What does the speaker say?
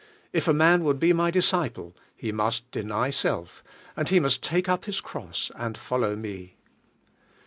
If a man would be my disciple, he must deny self, and he must take up liis cross and follow me."